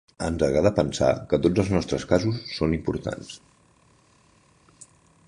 Ens agrada pensar que tots els nostres casos són importants.